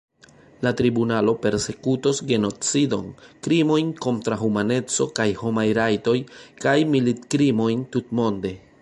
La tribunalo persekutos genocidon, krimojn kontraŭ humaneco kaj homaj rajtoj kaj militkrimojn, tutmonde.